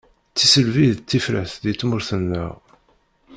Tisselbi i d tifrat di tmurt-nneɣ.